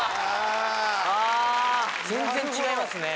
全然違いますね。